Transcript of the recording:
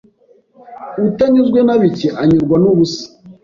Utanyuzwe na bike, anyurwa nubusa.